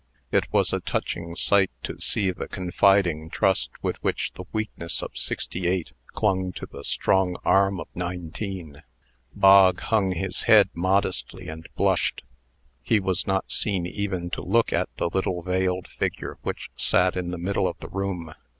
It was a touching sight to see the confiding trust with which the weakness of sixty eight clung to the strong arm of nineteen. Bog hung down his head modestly, and blushed. He was not seen even to look at the little veiled figure which sat in the middle of the room.